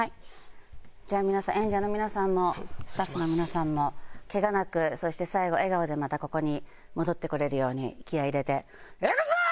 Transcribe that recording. じゃあ皆さん演者の皆さんもスタッフの皆さんもケガなくそして最後笑顔でまたここに戻ってこれるように気合入れていくぞー！